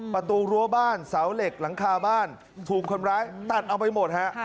ประตูรั้วบ้านเสาเหล็กหลังคาบ้านถูกคนร้ายตัดเอาไปหมดฮะ